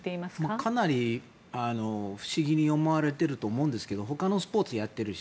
かなり不思議に思われていると思うんですがほかのスポーツをやっているし。